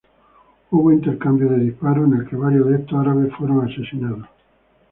Hubo intercambio de disparos, en el que varios de estos árabes fueron asesinados.